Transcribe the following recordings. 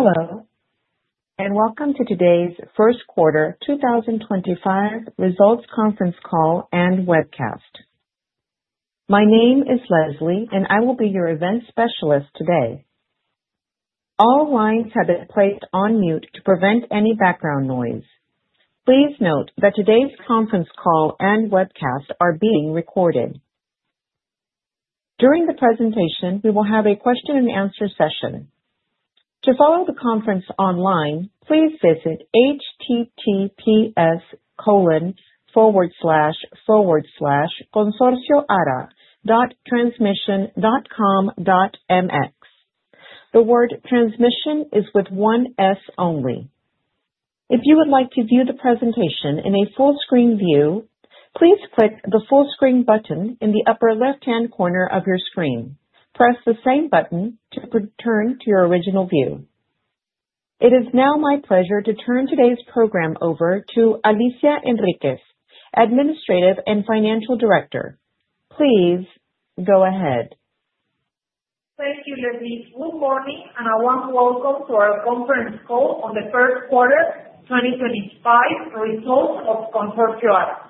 Hello, and welcome to today's first quarter 2025 results conference call and webcast. My name is Leslie, and I will be your event specialist today. All lines have been placed on mute to prevent any background noise. Please note that today's conference call and webcast are being recorded. During the presentation, we will have a question-and-answer session. To follow the conference online, please visit https://consorcioara.transmission.com.mx. The word "transmission" is with one S only. If you would like to view the presentation in a full-screen view, please click the full-screen button in the upper left-hand corner of your screen. Press the same button to return to your original view. It is now my pleasure to turn today's program over to Alicia Enriquez, Administrative and Financial Director. Please go ahead. Thank you, Leslie. Good morning, and I want to welcome to our conference call on the first quarter 2025 results of Consorcio Ara.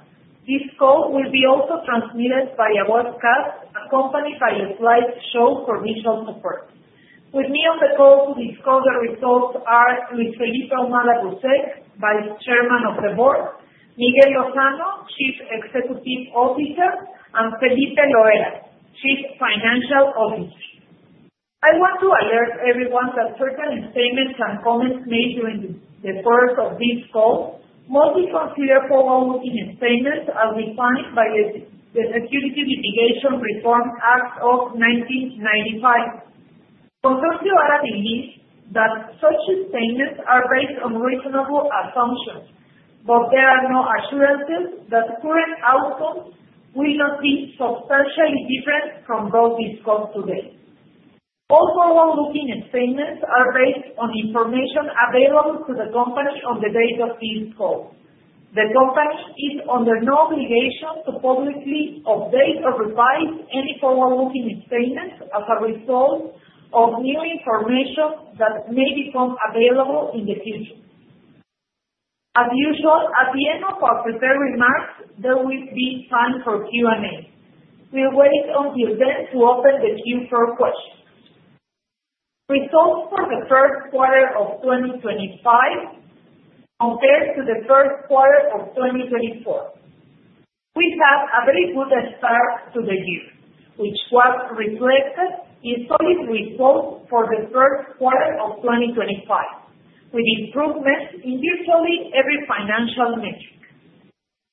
This call will be also transmitted by a webcast accompanied by a slideshow for visual support. With me on the call to discuss the results are Luis Felipe Almada-Boussec, Vice Chairman of the Board; Miguel Lozano, Chief Executive Officer; and Felipe Loera, Chief Financial Officer. I want to alert everyone that certain statements and comments made during the course of this call must be considered forward-looking statements as defined by the Securities Mitigation Reform Act of 1995. Consorcio Ara believes that such statements are based on reasonable assumptions, but there are no assurances that current outcomes will not be substantially different from those discussed today. All forward-looking statements are based on information available to the company on the date of this call. The company is under no obligation to publicly update or revise any forward-looking statements as a result of new information that may become available in the future. As usual, at the end of our prepared remarks, there will be time for Q&A. We'll wait until then to open the Q4 questions. Results for the first quarter of 2025 compared to the first quarter of 2024. We had a very good start to the year, which was reflected in solid results for the first quarter of 2025, with improvements in virtually every financial metric.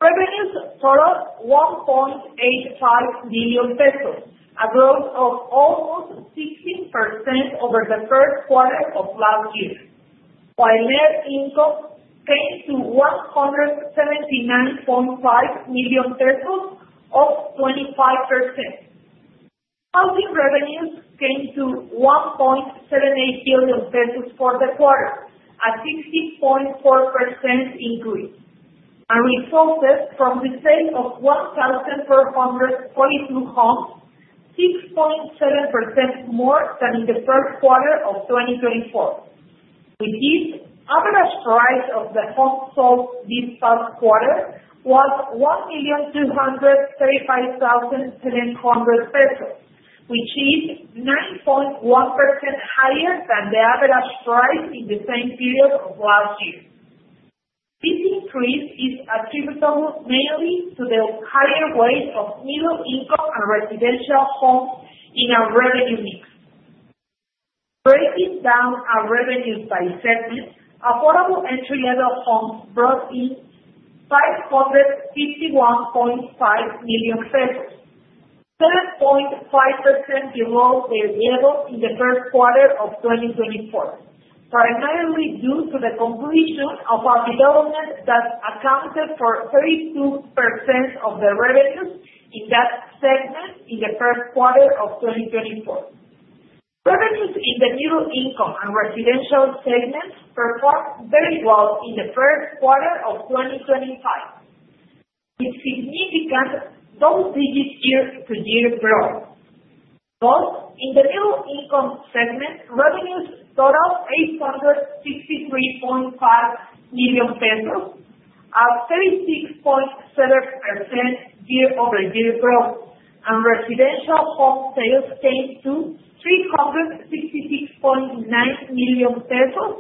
Revenues totaled 1.85 billion pesos, a growth of almost 16% over the first quarter of last year, while net income came to 179.5 million pesos, up 25%. Housing revenues came to 1.78 billion pesos for the quarter, a 16.4% increase, and results from the sale of 1,442 homes, 6.7% more than in the first quarter of 2024. With this, the average price of the homes sold this past quarter was 1,235,700 pesos, which is 9.1% higher than the average price in the same period of last year. This increase is attributable mainly to the higher weight of middle-income and residential homes in our revenue mix. Breaking down our revenues by segment, affordable entry-level homes brought in 551.5 million pesos, 7.5% below their level in the first quarter of 2024, primarily due to the completion of a development that accounted for 32% of the revenues in that segment in the first quarter of 2024. Revenues in the middle-income and residential segments performed very well in the first quarter of 2025, with significant double-digit year-to-year growth. Both in the middle-income segment, revenues totaled MXN 863.5 million, a 36.7% year-over-year growth, and residential home sales came to 366.9 million pesos,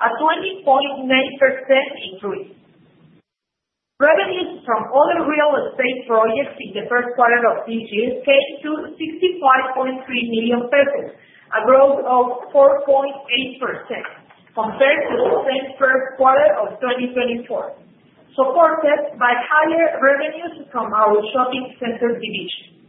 a 20.9% increase. Revenues from other real estate projects in the first quarter of this year came to 65.3 million pesos, a growth of 4.8% compared to the same first quarter of 2024, supported by higher revenues from our shopping center division.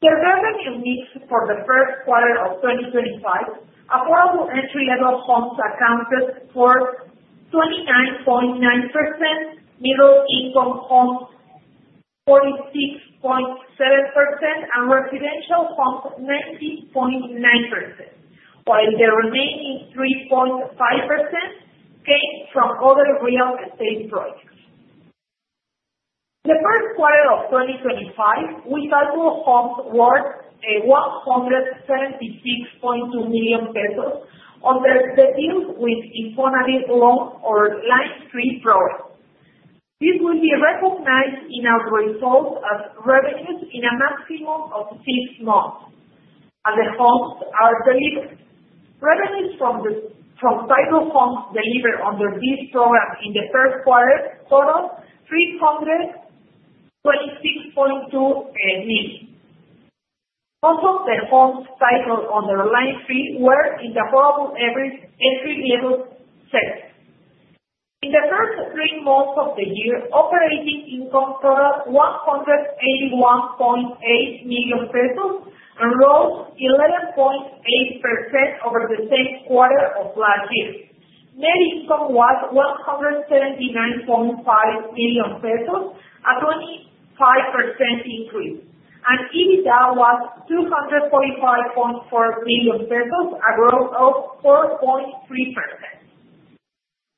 The revenue mix for the first quarter of 2025, affordable entry-level homes accounted for 29.9%, middle-income homes 46.7%, and residential homes 19.9%, while the remaining 3.5% came from other real estate projects. The first quarter of 2025, we thought we will homes worth 176.2 million pesos under the deals with Infonavit Loan or Line 3 program. This will be recognized in our results as revenues in a maximum of six months as the homes are delivered. Revenues from title homes delivered under this program in the first quarter totaled MXN 326.2 million. Most of the homes titled under Line 3 were in the affordable entry-level segment. In the first three months of the year, operating income totaled 181.8 million pesos and rose 11.8% over the same quarter of last year. Net income was 179.5 million pesos, a 25% increase, and EBITDA was MXN 245.4 million, a growth of 4.3%.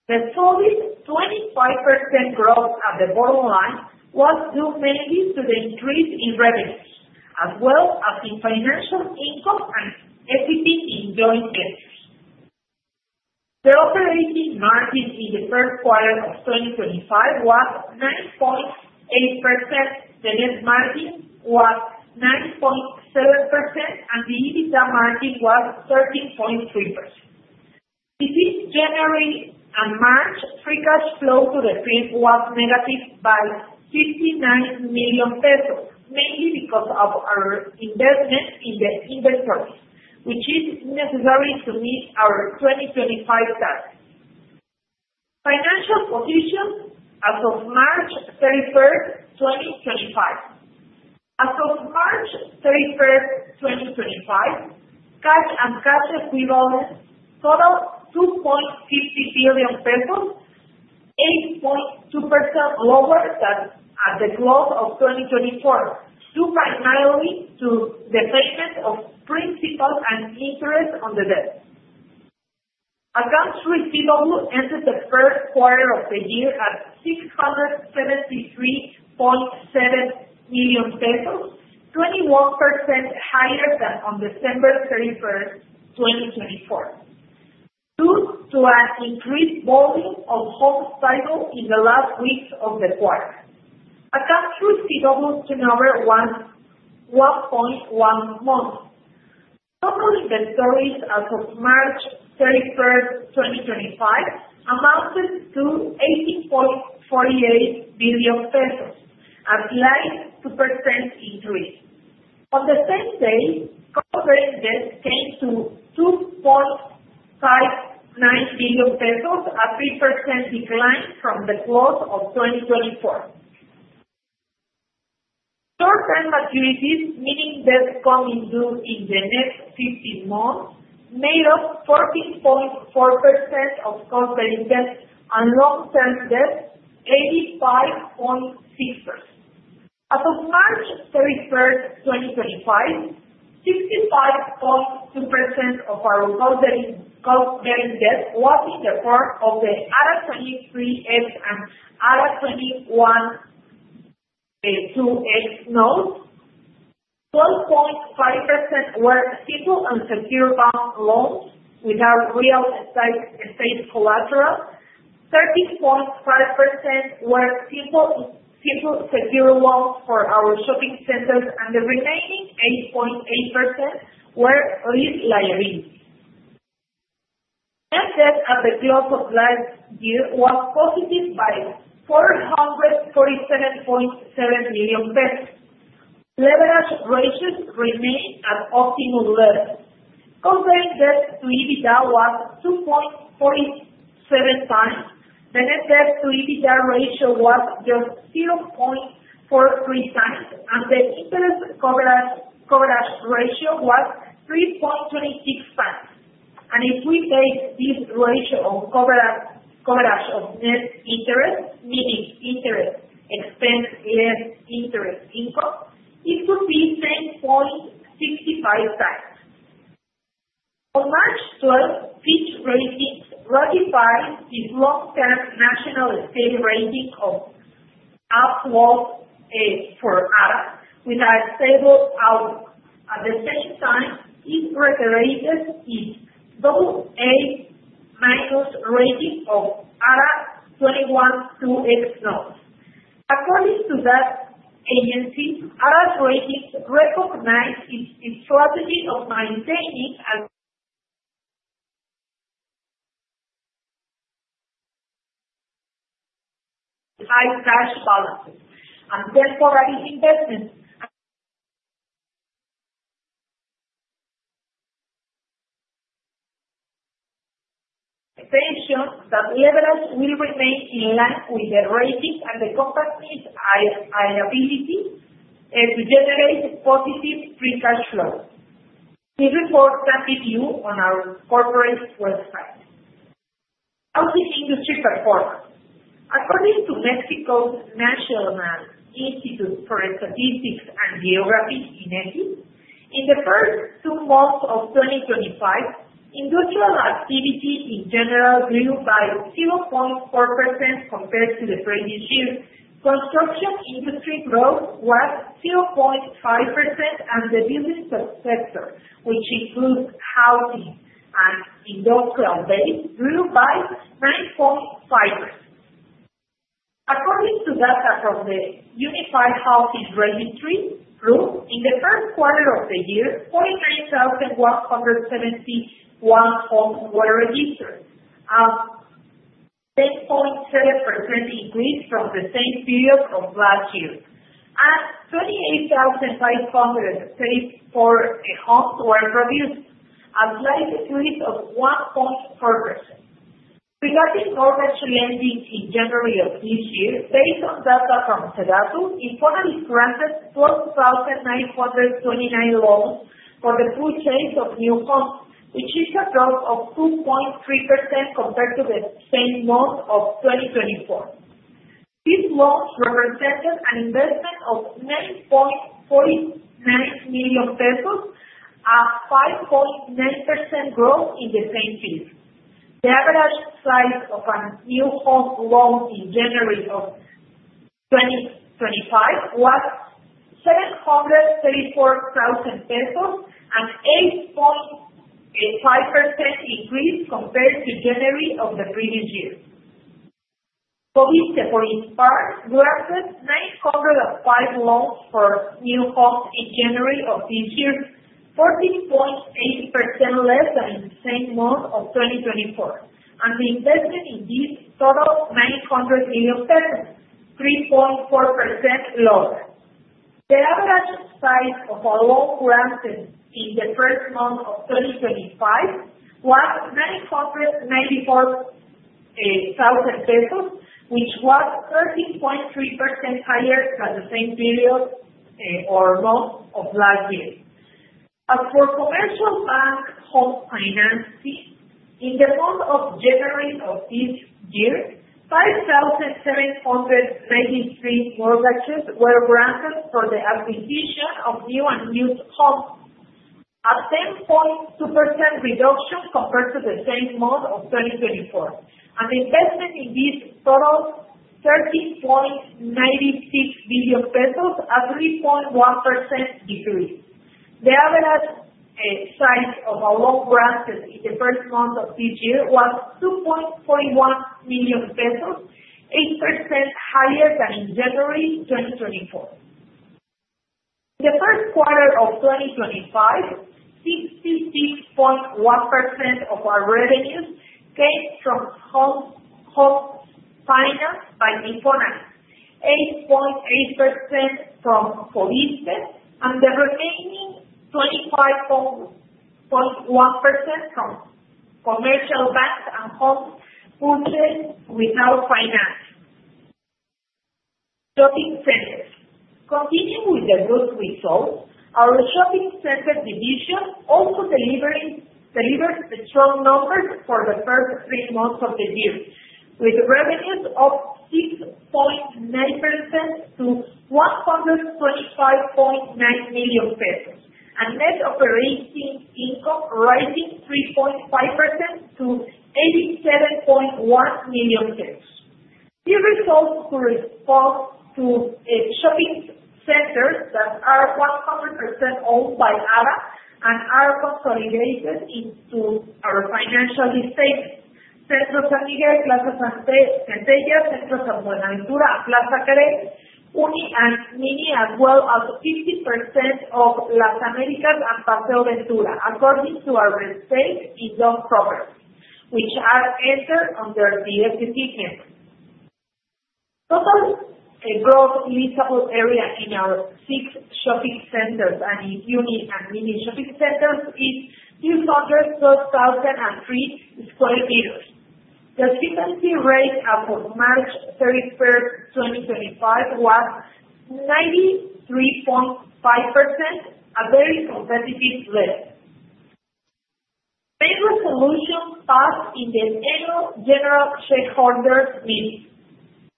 The solid 25% growth at the bottom line was due mainly to the increase in revenues, as well as in financial income and equity in joint ventures. The operating margin in the first quarter of 2025 was 9.8%, the net margin was 9.7%, and the EBITDA margin was 13.3%. This generated a March free cash flow to the firm was negative by 59 million pesos, mainly because of our investment in the inventories, which is necessary to meet our 2025 target. Financial position as of March 31st 2025. As of March 31st, 2025, cash and cash equivalents totaled MXN 2.50 billion, 8.2% lower than at the close of 2024, due primarily to the payment of principal and interest on the debt. Accounts receivable ended the first quarter of the year at 673.7 million pesos, 21% higher than on December 31st, 2024, due to an increased volume of homes titled in the last weeks of the quarter. Accounts receivable turnover was 1.1 months. Total inventories as of March 31st, 2025, amounted to 18.48 billion pesos, a slight 2% increase. On the same day, corporate debt came to 2.59 billion pesos, a 3% decline from the close of 2024. Short-term maturities, meaning debts coming due in the next 15 months, made up 14.4% of corporate debt and long-term debt, 85.6%. As of March 31st, 2025, 65.2% of our cooperating debt was in the form of the ARA 23X and ARA 21X2X notes. 12.5% were simple and secure loans without real estate collateral. 13.5% were simple secure loans for our shopping centers, and the remaining 8.8% were lease liabilities. Net debt at the close of last year was positive by 447.7 million pesos. Leverage ratios remained at optimum level. Cooperating debt to EBITDA was 2.47 times, the net debt to EBITDA ratio was just 0.43 times, and the interest coverage ratio was 3.26 times. If we take this ratio of coverage of net interest, meaning interest expense less interest income, it would be 10.65 times. On March 12th, Fitch Ratings ratified its long-term national estate rating of ARA 12 for ARA, with a stable outcome. At the same time, it recognized its AA minus rating of ARA 21X2X notes. According to that agency, Ara's ratings recognize its strategy of maintaining and high cash balances, and therefore its investments. Attention that levels will remain in line with the ratings and the companies' liability to generate positive free cash flow. This report is reviewed on our corporate website. Housing industry performance. According to Mexico's National Institute of Statistics and Geography, INEGI, in the first two months of 2025, industrial activity in general grew by 0.4% compared to the previous year. Construction industry growth was 0.5%, and the business sector, which includes housing and industrial base, grew by 9.5%. According to data from the Unified Housing Registry Group, in the first quarter of the year, 49,171 homes were registered, a 10.7% increase from the same period of last year, and 28,534 homes were produced, a slight decrease of 1.4%. Regarding mortgage lending in January of this year, based on data from INEGI, Infonavit granted 12,929 loans for the purchase of new homes, which is a growth of 2.3% compared to the same month of 2024. These loans represented an investment of 9.49 million pesos, a 5.9% growth in the same period. The average size of a new home loan in January of 2025 was MXN 734,000, an 8.5% increase compared to January of the previous year. Fovissste granted 905 loans for new homes in January of this year, 14.8% less than in the same month of 2024, and the investment in these totaled MXN 900 million, 3.4% lower. The average size of a loan granted in the first month of 2025 was 994,000 pesos, which was 13.3% higher than the same period or month of last year. As for commercial bank home financing, in the month of January of this year, 5,793 mortgages were granted for the acquisition of new and used homes, a 10.2% reduction compared to the same month of 2024, and the investment in these totaled MXN 13.96 million, a 3.1% decrease. The average size of a loan granted in the first month of this year was 2.41 million pesos, 8% higher than in January 2024. In the first quarter of 2025, 66.1% of our revenues came from homes financed by Infonavit, 8.8% from Fovissste, and the remaining 25.1% from commercial banks and homes purchased without financing. Shopping centers. Continuing with the growth results, our shopping center division also delivered strong numbers for the first three months of the year, with revenues up 6.9% to 125.9 million pesos, and net operating income rising 3.5% to 87.1 million pesos. These results correspond to shopping centers that are 100% owned by Ara and are consolidated into our financial estate: Centro San Miguel, Plaza Santilla, Centro San Buenaventura, Plaza Querétaro, Uni and Mini, as well as 50% of Las Américas and Paseo Ventura, according to our estate in DOM Property, which are entered under the SAP CAMPS. Total gross leasable area in our six shopping centers and Uni and Mini shopping centers is 212,003 square meters. The efficiency rate as of March 31st, 2025, was 93.5%, a very competitive level. Main resolutions passed in the annual general shareholders' meeting.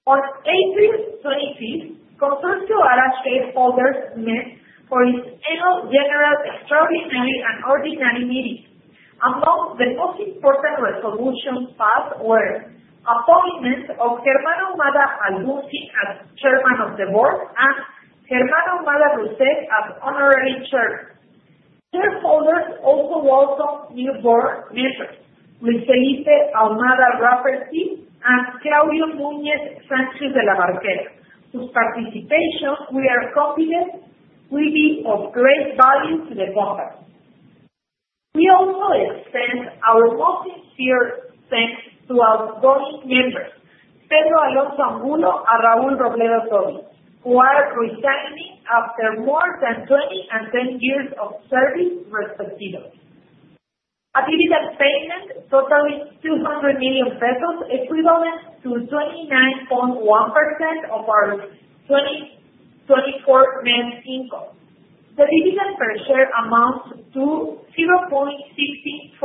On April 25th, Consorcio Ara shareholders' meeting for its annual general extraordinary and ordinary meeting. Among the most important resolutions passed were appointment of Germano Humada Aldusi as Chairman of the Board and Germano Humada Roses as Honorary Chairman. Shareholders also welcomed new board members, Luis Felipe Almada Rafferty and Claudio Nunez Sanchez de la Barquera. With participation, we are confident we'll be of great value to the companies. We also extend our most sincere thanks to outgoing members, Pedro Alonso Angulo and Raúl Robledo Tobi, who are resigning after more than 20 and 10 years of service respectively. A dividend payment totaling 200 million pesos equivalent to 29.1% of our 2024 net income. The dividend per share amounts to 0.604280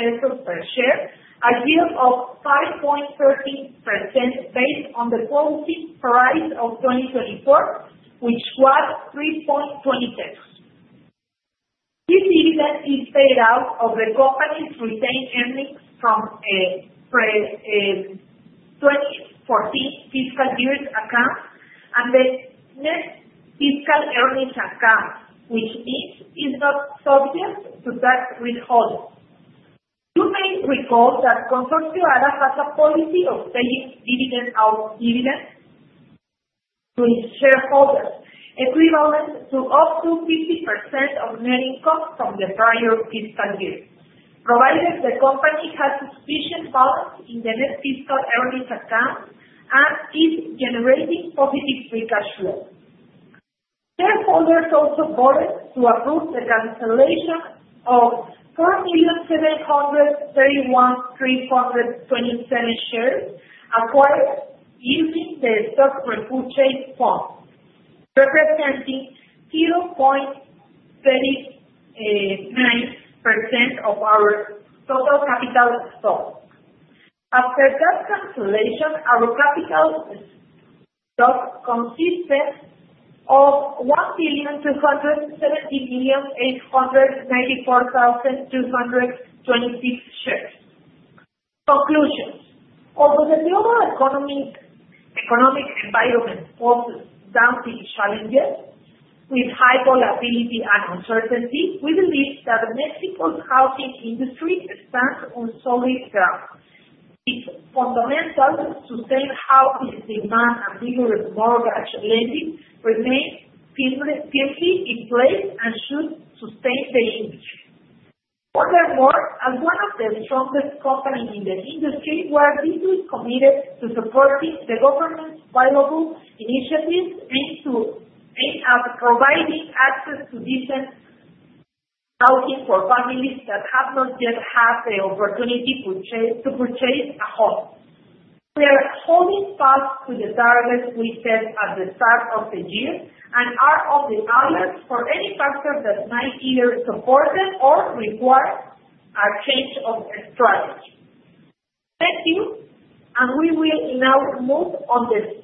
pesos per share, a yield of 5.13% based on the closing price of 2024, which was 3.20. This dividend is paid out of the company's retained earnings from 2014 fiscal year's account and the net fiscal earnings account, which means it's not subject to tax withholding. You may recall that Consorcio Ara has a policy of paying dividend out dividend to its shareholders, equivalent to up to 50% of net income from the prior fiscal year, provided the company has sufficient balance in the net fiscal earnings account and is generating positive free cash flow. Shareholders also voted to approve the cancellation of 4,731,327 shares acquired using the stock repurchase fund, representing 0.39% of our total capital stock. After that cancellation, our capital stock consisted of 1,270,894,226 shares. Conclusions. Although the global economic environment poses daunting challenges with high volatility and uncertainty, we believe that Mexico's housing industry stands on solid ground. It's fundamental to sustain housing demand and vigorous mortgage lending remain firmly in place and should sustain the industry. Furthermore, as one of the strongest companies in the industry, we are deeply committed to supporting the government's viable initiatives aimed at providing access to decent housing for families that have not yet had the opportunity to purchase a home. We are holding fast to the targets we set at the start of the year and are on the alert for any factors that might either support them or require a change of strategy. Thank you, and we will now move on to the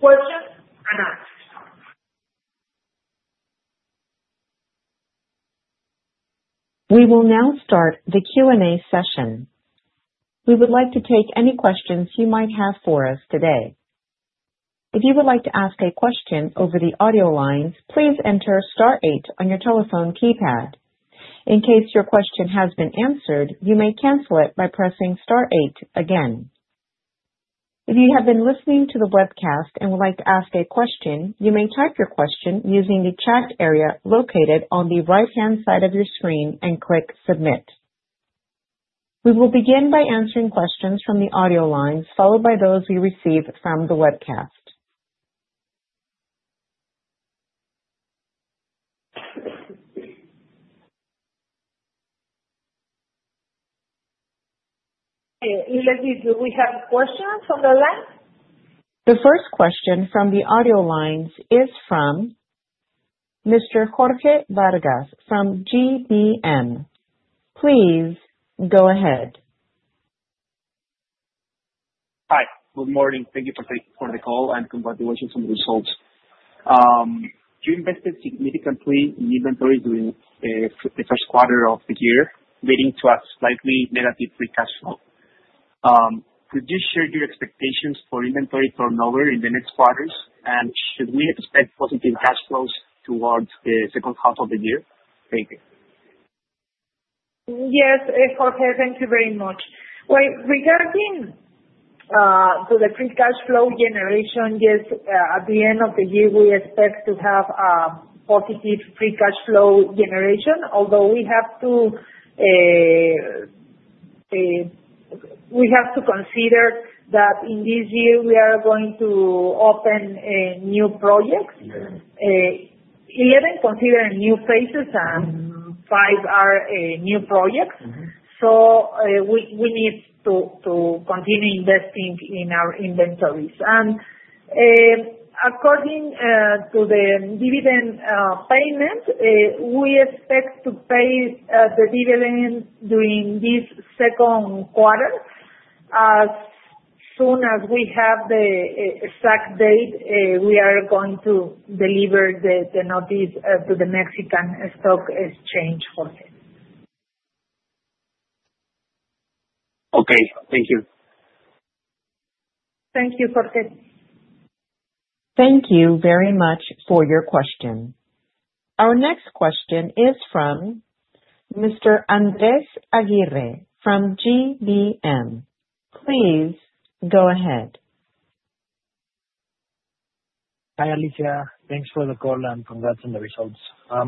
questions and answers. We will now start the Q&A session. We would like to take any questions you might have for us today. If you would like to ask a question over the audio lines, please enter STAR eight on your telephone keypad. In case your question has been answered, you may cancel it by pressing STAR eight again. If you have been listening to the webcast and would like to ask a question, you may type your question using the chat area located on the right-hand side of your screen and click Submit. We will begin by answering questions from the audio lines followed by those we receive from the webcast. Let me see, do we have questions on the line? The first question from the audio lines is from Mr. Jorge Vargas from GBM. Please go ahead. Hi. Good morning. Thank you for taking part in the call and congratulations on the results. You invested significantly in inventory during the first quarter of the year, leading to a slightly negative free cash flow. Could you share your expectations for inventory turnover in the next quarters, and should we expect positive cash flows towards the second half of the year? Thank you. Yes, Jorge, thank you very much. Regarding the free cash flow generation, yes, at the end of the year, we expect to have a positive free cash flow generation, although we have to consider that in this year we are going to open new projects. Eleven considered new phases and five are new projects, so we need to continue investing in our inventories. According to the dividend payment, we expect to pay the dividend during this second quarter. As soon as we have the exact date, we are going to deliver the notice to the Mexican stock exchange, Jorge. Okay. Thank you. Thank you, Jorge. Thank you very much for your question. Our next question is from Mr. Andres Aguirre from GBM. Please go ahead. Hi Alicia. Thanks for the call and congrats on the results.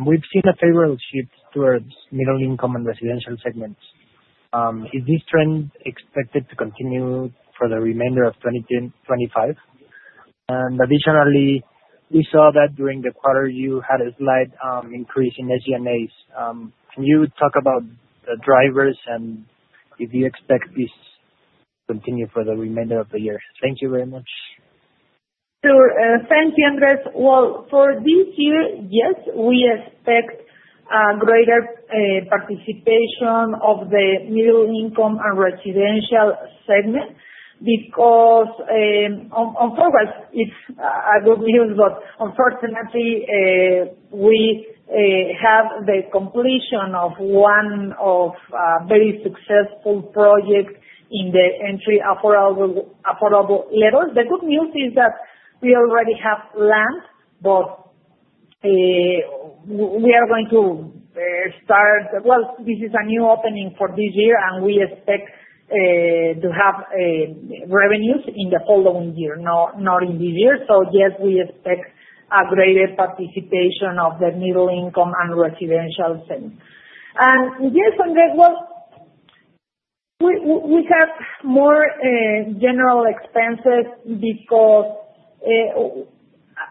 We've seen a favorable shift towards middle-income and residential segments. Is this trend expected to continue for the remainder of 2025? Additionally, we saw that during the quarter you had a slight increase in SG&A. Can you talk about the drivers and if you expect this to continue for the remainder of the year? Thank you very much. Thank you, Andres. For this year, yes, we expect greater participation of the middle-income and residential segment because, of course, it is good news, but unfortunately, we have the completion of one very successful project in the affordable entry-level segment. The good news is that we already have land, but we are going to start, this is a new opening for this year, and we expect to have revenues in the following year, not in this year. Yes, we expect a greater participation of the middle-income and residential segment. Yes, Andres, we have more general expenses because,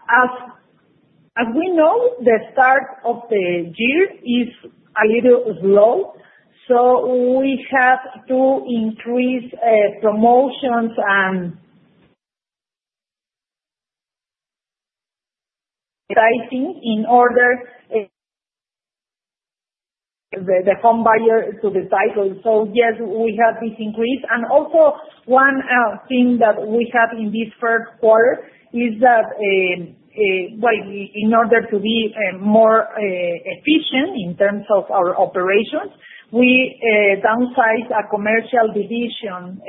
as we know, the start of the year is a little slow, so we have to increase promotions and pricing in order for the home buyer to decide. Yes, we have this increase. Also, one thing that we have in this first quarter is that, in order to be more efficient in terms of our operations, we downsized a commercial division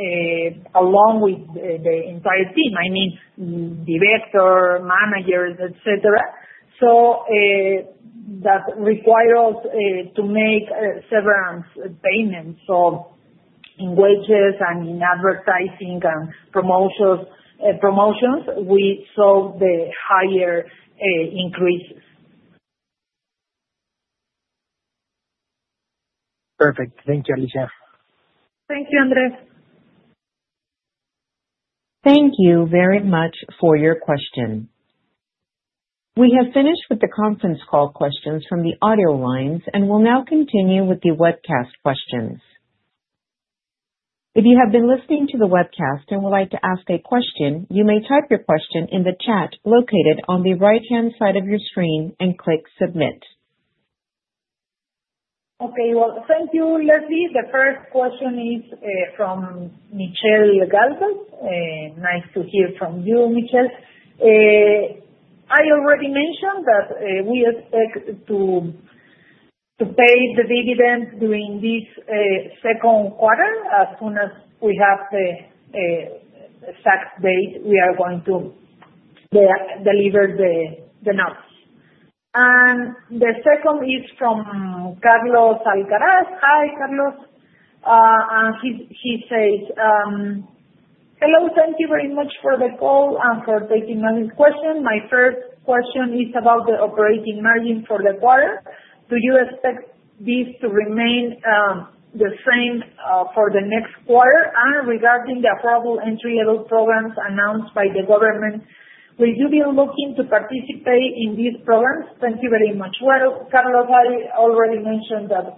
along with the entire team, I mean, director, managers, etc., so that required us to make several payments. In wages and in advertising and promotions, we saw the higher increases. Perfect. Thank you, Alicia. Thank you, Andres. Thank you very much for your question. We have finished with the conference call questions from the audio lines and will now continue with the webcast questions. If you have been listening to the webcast and would like to ask a question, you may type your question in the chat located on the right-hand side of your screen and click Submit. Thank you, Leslie. The first question is from Michelle Gálvez. Nice to hear from you, Michelle. I already mentioned that we expect to pay the dividend during this second quarter. As soon as we have the exact date, we are going to deliver the notice. The second is from Carlos Alcaraz. Hi, Carlos. He says, "Hello. Thank you very much for the call and for taking my question. My first question is about the operating margin for the quarter. Do you expect this to remain the same for the next quarter? Regarding the affordable entry-level programs announced by the government, will you be looking to participate in these programs? Thank you very much. Carlos, I already mentioned that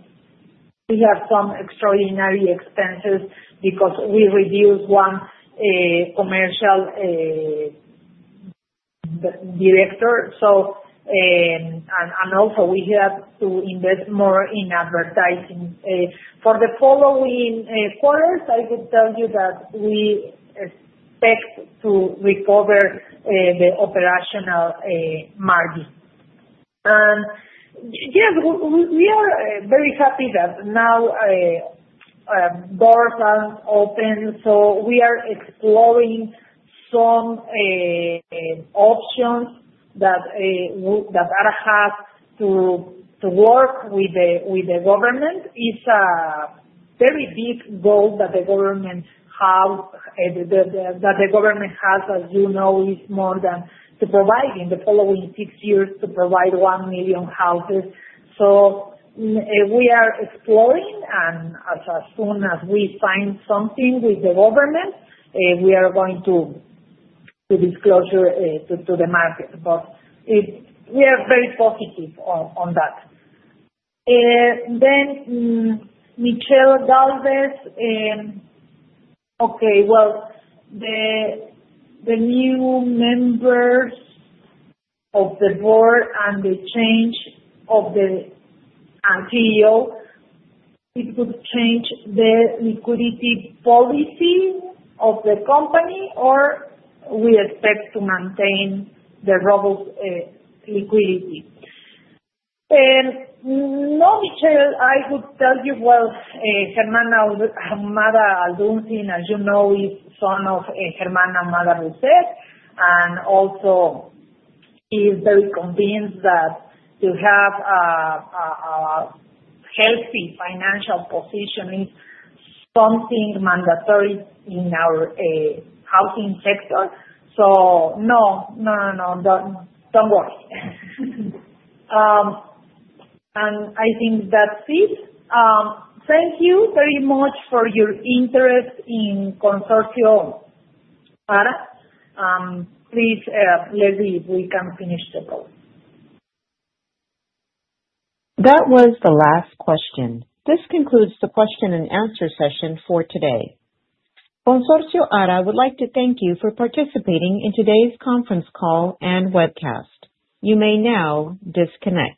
we have some extraordinary expenses because we reduced one commercial director. Also, we have to invest more in advertising. For the following quarters, I could tell you that we expect to recover the operational margin. Yes, we are very happy that now doors are open, so we are exploring some options that Ara has to work with the government. It is a very big goal that the government has, as you know, is more than to provide in the following six years to provide 1 million houses. We are exploring, and as soon as we find something with the government, we are going to disclose it to the market. We are very positive on that. Michelle Gálvez. Okay. The new members of the board and the change of the CEO, it would change the liquidity policy of the company, or we expect to maintain the robust liquidity? No, Michelle. I could tell you, Germano Humada Aldusi, as you know, is son of Germano Humada Roses, and also he is very convinced that to have a healthy financial position is something mandatory in our housing sector. No, no, no, no, do not worry. I think that's it. Thank you very much for your interest in Consorcio Ara. Please, Leslie, we can finish the call. That was the last question. This concludes the question and answer session for today. Consorcio Ara would like to thank you for participating in today's conference call and webcast. You may now disconnect.